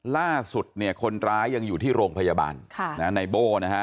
ล่าสุดเนี่ยคนร้ายยังอยู่ที่โรงพยาบาลในโบ้นะฮะ